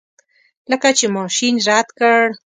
لکه چې ماشین رد کړ.